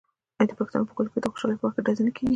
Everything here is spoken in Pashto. آیا د پښتنو په کلتور کې د خوشحالۍ په وخت ډزې نه کیږي؟